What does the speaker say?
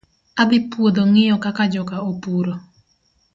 Adhii puodho ngiyo kaka joka opuro.